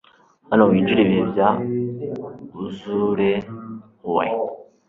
Hano winjire ibihe bya azure hue